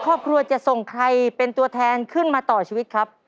ครอบครัวจะส่งใครเป็นตัวแทนขึ้นมาต่อชีวิตครับ